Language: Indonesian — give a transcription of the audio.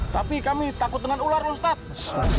tapi kami takut dengan ular pak ustadz